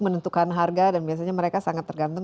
menentukan harga dan biasanya mereka sangat tergantung